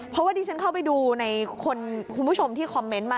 เพราะว่าดิฉันเข้าไปดูในคุณผู้ชมที่คอมเมนต์มา